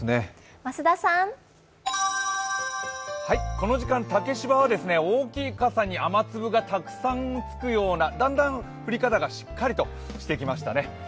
この時間竹芝は大きい傘に雨粒がたくさんつくようなだんだん降り方がしっかりとしてきましたね。